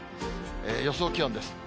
予想気温です。